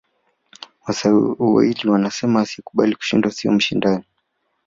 waswahili wanasema asiyekubali kushindwa siyo mshindani